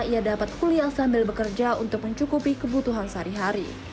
ia dapat kuliah sambil bekerja untuk mencukupi kebutuhan sehari hari